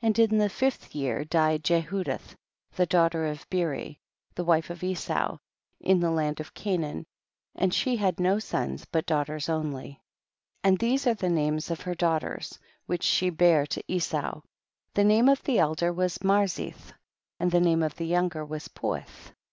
21. And in the fifth year died Je hudith, the daughter of Beeri, the wife of Esau, in the land of Canaan, and she had no sons but daughters only. 22. And these are the names of her daughters which she bare to Esau, the name of the elder was Marzith, and the name of the younger was Puith.